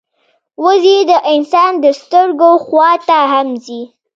وزې د انسان د سترګو خوا ته هم ځي